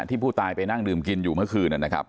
ที่ผู้ตายไปนั่งดื่มกินอยู่เมื่อคืนนะครับ